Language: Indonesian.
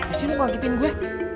siapa sih yang mau kagetin gue